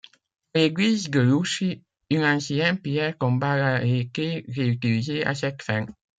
À l'église de Louchy, une ancienne pierre tombale a été réutilisée à cette fin.